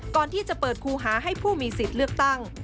ก่อนที่จะเปิดคูหาให้ผู้มีสิทธิ์เลือกตั้ง